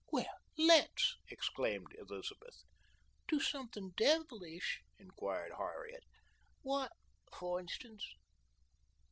"Well, let's!" exclaimed Elizabeth. "Do something devilish?" inquired Harriet. "What, for instance?"